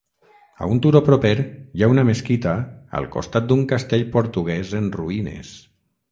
A un turó proper hi ha una mesquita al costat d'un castell portuguès en ruïnes.